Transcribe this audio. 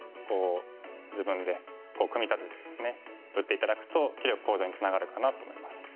自分で組み立ててですね打って頂くと棋力向上につながるかなと思います。